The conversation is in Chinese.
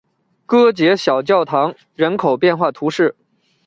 戈捷小教堂人口变化图示